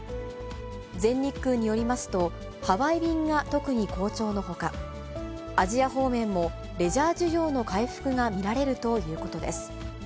全日空によりますと、ハワイ便が特に好調のほか、アジア方面もレジャー需要の回復が見られるということです。